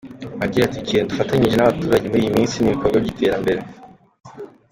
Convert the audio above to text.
Agira ati “Ikintu dufatanyije n’abaturage muri iyi minsi ni ibikorwa by’iterambere.